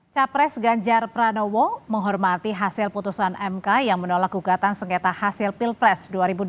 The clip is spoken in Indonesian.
capres ganjar pranowo menghormati hasil putusan mk yang menolak gugatan sengketa hasil pilpres dua ribu dua puluh